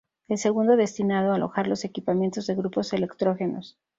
El segundo destinado a alojar los equipamientos de grupos electrógenos.